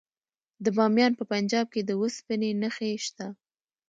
د بامیان په پنجاب کې د وسپنې نښې شته.